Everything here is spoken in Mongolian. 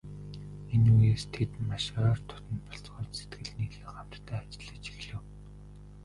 Энэ үеэс тэд маш ойр дотно болцгоож, сэтгэл нийлэн хамтдаа ажиллаж эхлэв.